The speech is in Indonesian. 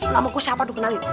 nama gue siapa lu kenalin